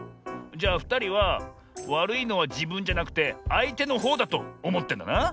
じゃあふたりはわるいのはじぶんじゃなくてあいてのほうだとおもってんだな。